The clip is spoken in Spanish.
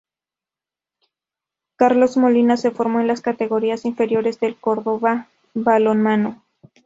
Carlos Molina se formó en las categorías inferiores del Córdoba Balonmano.